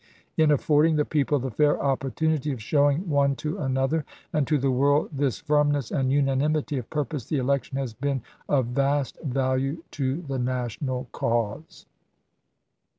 In affording the people the fair opportunity of showing one Appendix, to another and to the world this firmness and unanimity De!%6bi864 °^ PurPose? the election has been of vast value to the p 3 ' national cause.